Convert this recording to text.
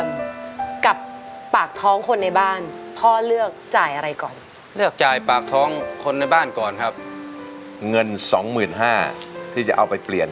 อย่าเข้าใจว่าฉันเป็น